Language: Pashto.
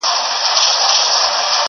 زه دي باغ نه وينم، ته وا تارو درغلی.